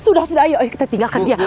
sudah sudah ayo kita tinggalkan dia